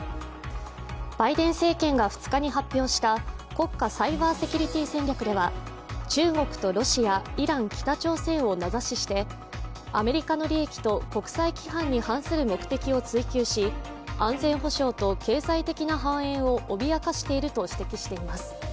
バイデン政権が２日に発表した国家サイバーセキュリティー戦略では、中国とロシア、イラン、北朝鮮を名指ししてアメリカの利益と国際規範に反する目的を追求し、安全保障と経済的な繁栄を脅かしていると指摘しています。